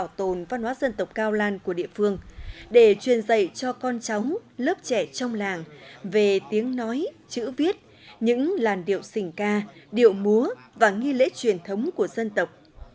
ông tiêu sơn học một nghệ nhân người dân tộc cao lan của địa phương để truyền dạy cho con cháu lớp trẻ trong làng về tiếng nói chữ viết những làn điệu xình ca điệu múa và nghi lễ truyền thống của dân tộc